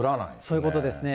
そういうことですね。